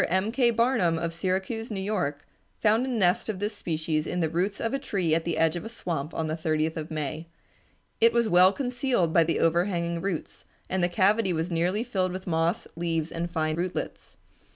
M. K. Barnum of Syracuse, New York, found a nest of this species in the roots of a tree at the edge of a swamp on the 30th of May. It was well concealed by the overhanging roots, and the cavity was nearly filled with moss, leaves, and fine rootlets.